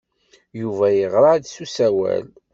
Yuba yeɣra-d s usawal.